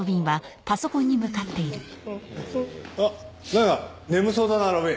なんか眠そうだな路敏。